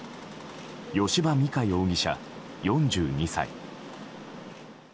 吉羽美華容疑者、４２歳。